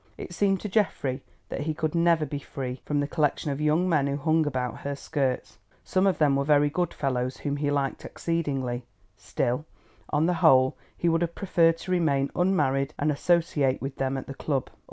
It seemed to Geoffrey that he could never be free from the collection of young men who hung about her skirts. Some of them were very good fellows whom he liked exceedingly; still, on the whole he would have preferred to remain unmarried and associate with them at the club.